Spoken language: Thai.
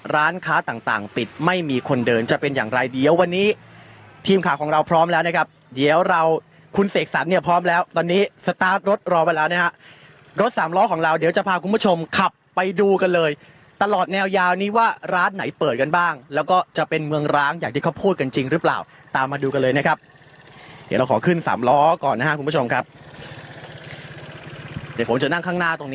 ร้านค้าต่างต่างปิดไม่มีคนเดินจะเป็นอย่างไรเดี๋ยววันนี้ทีมขาของเราพร้อมแล้วนะครับเดี๋ยวเราคุณเสกสัตว์เนี่ยพร้อมแล้วตอนนี้สตาร์ทรถรอไปแล้วนะฮะรถสามล้อของเราเดี๋ยวจะพาคุณผู้ชมขับไปดูกันเลยตลอดแนวยาวนี้ว่าร้านไหนเปิดกันบ้างแล้วก็จะเป็นเมืองร้านอยากที่เขาพูดกันจริงหรือเปล่าตามมาดูกันเลยนะ